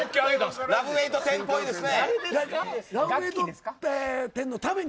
ラブメイト１０っぽいですね。